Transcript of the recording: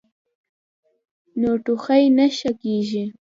نو ټوخی نۀ ښۀ کيږي -